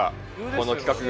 この企画が。